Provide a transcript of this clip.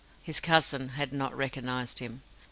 His cousin had not recognized him.